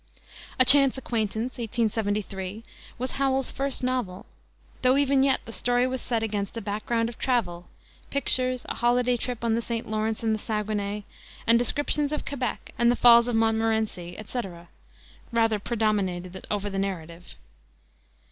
A Chance Acquaintance, 1873, was Howells's first novel, though even yet the story was set against a background of travel pictures, a holiday trip on the St. Lawrence and the Saguenay; and descriptions of Quebec and the Falls of Montmorenci, etc., rather predominated over the narrative.